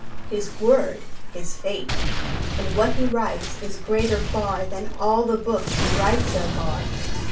His word is Fate, And what he writes Is greater far Than all the books He writes of are.